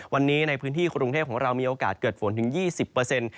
วันนี้ในพื้นที่กรุงเทพฯของเรามีโอกาสเกิดฝนถึง๒๐